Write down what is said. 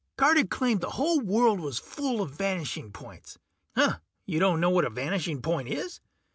Carter claimed the whole world was full of vanishing points. You don't know what a vanishing point is?